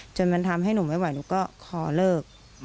จนมันทำให้หนูไม่ไหวหนูก็ขอเลิก